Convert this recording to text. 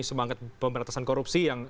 semangat pemerintasan korupsi yang